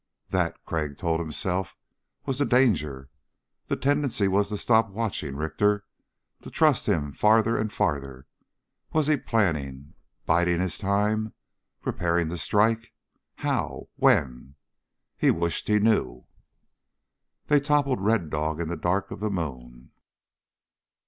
That, Crag told himself, was the danger. The tendency was to stop watching Richter, to trust him farther and farther. Was he planning, biding his time, preparing to strike? How? When? He wished he knew. They toppled Red Dog in the dark of the moon.